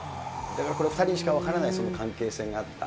だからこれ２人にしか分からない関係性があった。